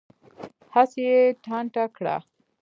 هسې یې ټانټه کړه.